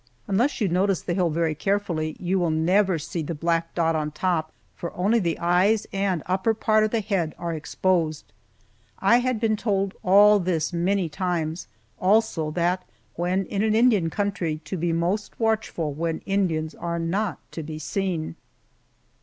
Unless you notice the hill very carefully you will never see the black dot on top, for only the eyes and upper part of the head are exposed. I had been told all this many times; also, that when in an Indian country to be most watchful when Indians are not to be seen.